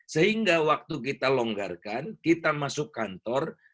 sehingga waktu kita longgarkan kita masuk kantor